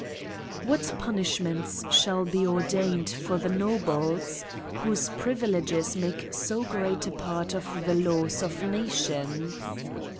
WHAT punishments shall be ordained for the nobles, whose privileges make so great a part of the laws of nations